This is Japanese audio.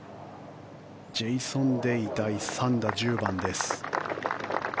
ジェイソン・デイ第３打、１０番です。